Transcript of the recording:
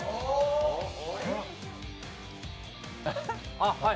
あっはい。